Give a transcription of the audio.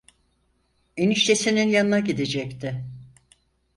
Eniştesinin yanına gidecekti…